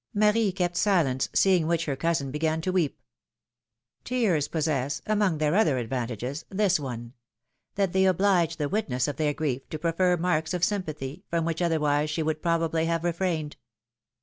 Marie kept silence, seeing which her cousin began to weep. Tears possess, among their other advantages, this one: that they oblige the witness of their grief to prof fer marks of sympathy, from which otherwise she would probably have refrained.